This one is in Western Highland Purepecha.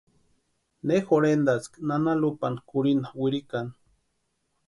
Ne jorhentaski nana Lupani kurhinta wirikani.